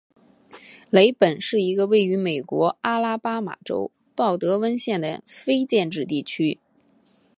雷本是一个位于美国阿拉巴马州鲍德温县的非建制地区。